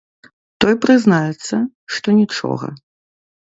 Той прызнаецца, што нічога.